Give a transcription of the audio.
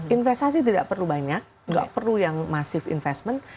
investasi tidak perlu banyak tidak perlu yang massive investment